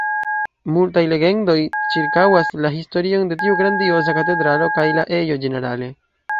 Multaj legendoj ĉirkaŭas la historion de tiu grandioza katedralo, kaj la ejo ĝenerale.